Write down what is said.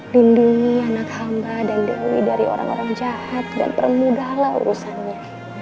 lindungi anak hamba dan dewi dari orang orang jahat dan permudahlah urusannya